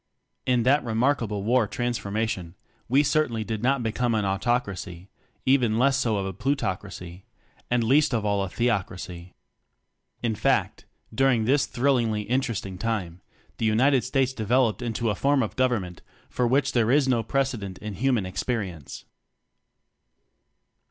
In that remarkable war transfor mation, we certainly did not become an Autocracy; even less so a Plutoc racy; and least of all a Theocracy. In fact, during this thrillingly interesting time, the United States developed into a form of "Government" for which there is no precedent in human ex perience.